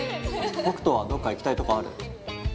北斗はどっか行きたいとこある？